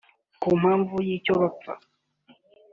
Ku mpamvu y’icyo bapfa